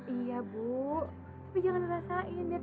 iya bu jangan rasain